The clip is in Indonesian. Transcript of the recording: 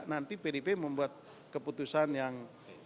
nanti pdip membuat keputusan yang